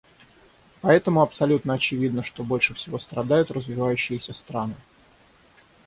Поэтому абсолютно очевидно, что больше всего страдают развивающиеся страны.